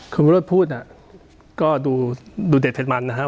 คุณพุทธพูดน่ะก็ดูเด็ดเผ็ดมันนะครับ